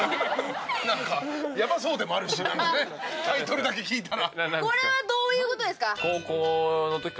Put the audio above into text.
やばそうでもあるし、タイトルだけ聞いたら。